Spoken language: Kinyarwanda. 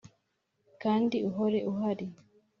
kandi uhore uhari